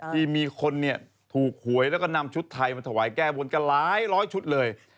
ที่มีคนเนี่ยถูกหวยแล้วก็นำชุดไทยมาถวายแก้บนกันหลายร้อยชุดเลย